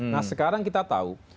nah sekarang kita tahu